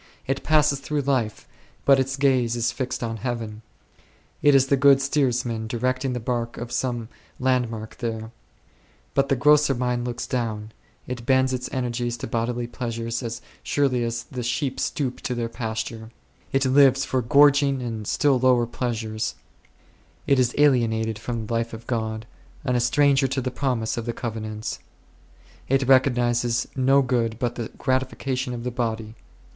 It passes through life, but its gaze is fixed on heaven ; it is the good steersman directing the bark to some landmark there. But the grosser mind looks down ; it bends its energies to bodily pleasures as surely as the sheep stoop to their pasture ; it lives for gorging and still lower pleasures 7 ; it is alienated from the life of God 8, and a stranger to the promise of the Covenants ; it recognizes no good but the gratification of the body.